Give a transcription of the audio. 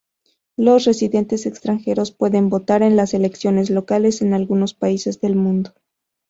Los residentes extranjeros pueden votar en las "elecciones locales" en algunos países del mundo.